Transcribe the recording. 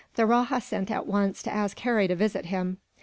] The rajah sent at once, to ask Harry to visit him.